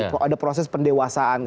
kalau ada proses pengerajaan